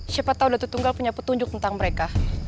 siapa tahu datu tunggal punya petunjuk tentang mereka